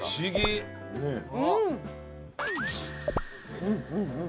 うんうんうん。